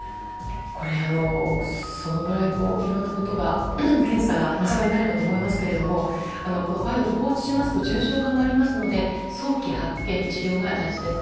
そのぐらい検査が身近になればと思いますけど梅毒、放置しますと重症化もありますので早期の発見・治療が大事です。